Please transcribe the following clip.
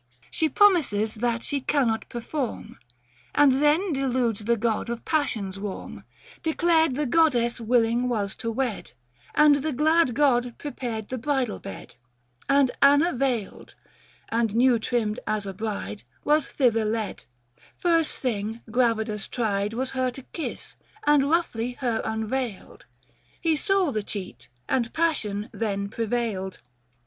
She promises that she cannot perform ; And then deludes the God of passions warm, 735 Book III. THE FASTI. 93 Declared the Goddess willing was to wed, And the glad God prepared the bridal bed ; And Anna veiled and new trimmed as a bride Was thither led— first thing Gradivus tried Was her to kiss — and roughly her unveiled : 740 He saw the cheat and passion then prevailed.